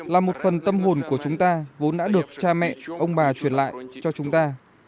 là một phần tâm hồn của chúng ta vốn đã được cha mẹ ông bà truyền lại cho chúng ta